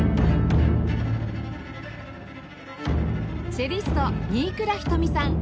チェリスト新倉瞳さん